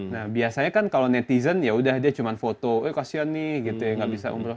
nah biasanya kan kalau netizen ya udah dia cuma foto eh kasian nih gitu ya nggak bisa umroh